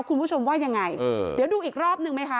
คุณผู้ชมว่ายังไงเดี๋ยวดูอีกรอบนึงไหมคะ